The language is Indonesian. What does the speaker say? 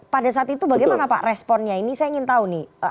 pada saat itu bagaimana pak responnya ini saya ingin tahu nih